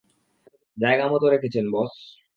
জায়গামতো রেখেছেন, বস।